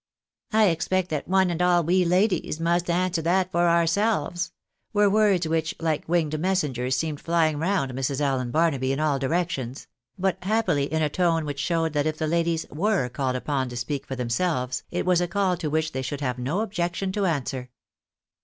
" I expect that one and aU we ladies must answer that for our selves," were words, which, like winged messengers seemed flying round Mrs. Allen Barnahy in all directions ; but happily in a tone which showed that if the ladies were called upon to spoak for themselves, it was a call to which they should have no objection to answer.